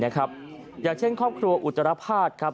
อย่างเช่นครอบครัวอุตรภาษณ์ครับ